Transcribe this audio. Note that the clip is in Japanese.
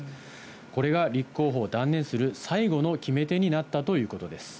これが立候補を断念する最後の決め手になったということです。